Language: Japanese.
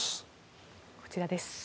こちらです。